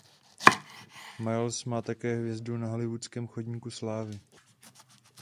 Miles má také hvězdu na Hollywoodském chodníku slávy.